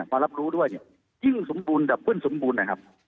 มารับรู้ด้วยยิ่งสมบูรณ์ดับเบิ้ลสมบูรณ์นะครับ